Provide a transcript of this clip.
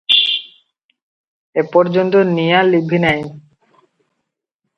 ଏପର୍ଯ୍ୟନ୍ତ ନିଆଁ ଲିଭି ନାହିଁ ।